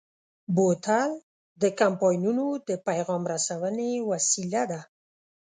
بوتل د کمپاینونو د پیغام رسونې وسیله ده.